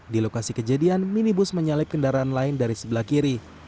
di lokasi kejadian minibus menyalip kendaraan lain dari sebelah kiri